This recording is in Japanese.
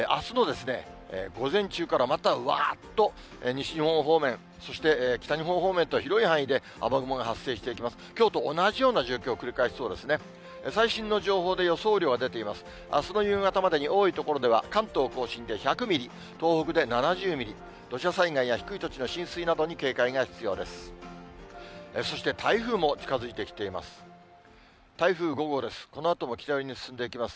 あすの夕方までに多い所では、関東甲信で１００ミリ、東北で７０ミリ、土砂災害や低い土地の浸水などに警戒が必要です。